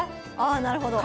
あなるほど。